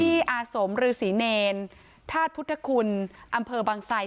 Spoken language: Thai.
ที่อาสมรือศรีเนรธาตุพุทธคุณอำเภอบังไส